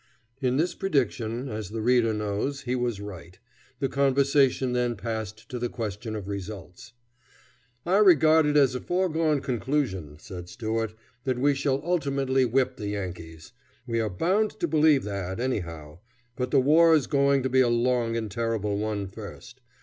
In this prediction, as the reader knows, he was right. The conversation then passed to the question of results. "I regard it as a foregone conclusion," said Stuart, "that we shall ultimately whip the Yankees. We are bound to believe that, anyhow; but the war is going to be a long and terrible one, first.